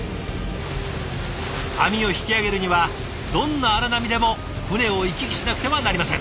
網を引き揚げるにはどんな荒波でも船を行き来しなくてはなりません。